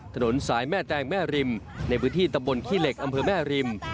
ถนนสายแม่แตงแม่ริมในพื้นที่ตำบลขี้เหล็กอำเภอแม่ริม